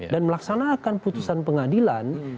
dan melaksanakan putusan pengadilan